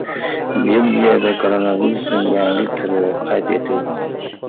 Belgiyada koronavirusning yangi turi qayd etildi